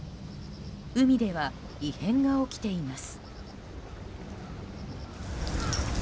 海では異変が起きています。